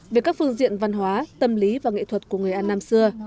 về các phương diện văn hóa tâm lý và nghệ thuật của người an nam xưa